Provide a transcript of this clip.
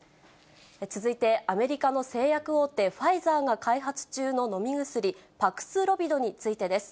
続いて、アメリカの製薬大手、ファイザーが開発中の飲み薬、パクスロビドについてです。